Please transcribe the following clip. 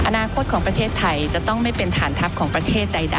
อนาคตของประเทศไทยจะต้องไม่เป็นฐานทัพของประเทศใด